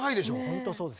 本当そうです